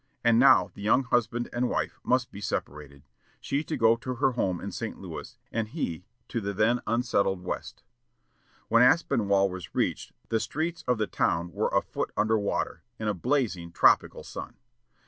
And now the young husband and wife must be separated; she to go to her home in St. Louis, and he to the then unsettled West. When Aspinwall was reached the streets of the town were a foot under water, in a blazing, tropical sun.